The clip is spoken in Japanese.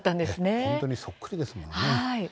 本当にそっくりですよね。